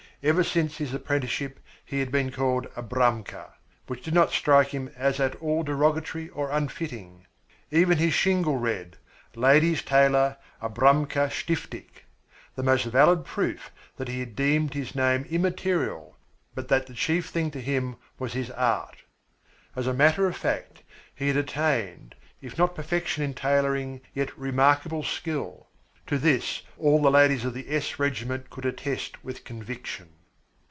Ever since his apprenticeship he had been called "Abramka," which did not strike him as at all derogatory or unfitting. Even his shingle read: "Ladies' Tailor: Abramka Stiftik" the most valid proof that he deemed his name immaterial, but that the chief thing to him was his art. As a matter of fact, he had attained, if not perfection in tailoring, yet remarkable skill. To this all the ladies of the S Regiment could attest with conviction.